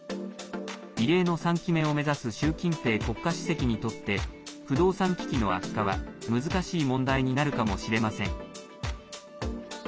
異例の３期目を目指す習近平国家主席にとって不動産危機の悪化は難しい問題になるかもしれません。